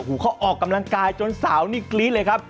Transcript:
เขาออกกำลังกายจนสาวนี่กรี๊ดเลยครับ